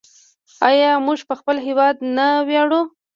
آیا موږ په خپل هیواد نه ویاړو؟